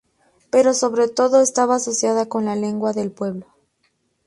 Pero sobre todo estaba asociada con la lengua del pueblo.